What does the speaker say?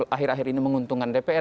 akhir akhir ini menguntungkan dpr